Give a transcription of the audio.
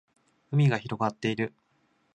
海が広がっている